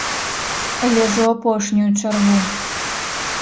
Але ж у апошнюю чаргу.